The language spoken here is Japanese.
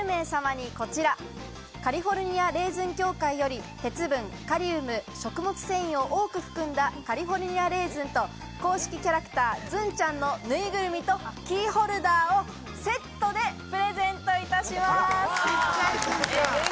予想が当たった方の中から抽選で１０名様にこちら、カリフォルニア・レーズン協会より鉄分、カリウム、食物繊維を多く含んだカリフォルニア・レーズンと、公式キャラクター、ズンちゃんのぬいぐるみとキーホルダーをセットでプレゼントいたします。